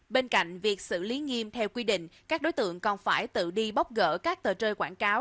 bên cạnh việc xử lý nghiêm theo quy định các đối tượng còn phải tự đi bóc gỡ các tờ rơi quảng cáo